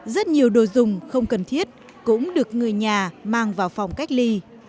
rất nhiều đồ dùng không cần thiết cũng được người nhà mang vào phòng cách ly